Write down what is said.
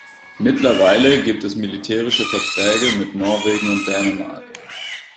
Mittlerweile gibt es militärische Verträge mit Norwegen und Dänemark.